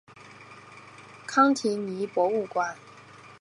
康提尼博物馆是位于法国马赛的一座博物馆。